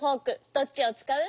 どっちをつかう？